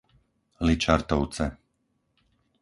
Ličartovce